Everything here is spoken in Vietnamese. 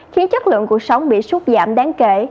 khiến chất lượng cuộc sống bị sụt giảm đáng kể